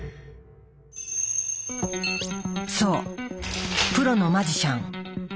そうプロのマジシャン。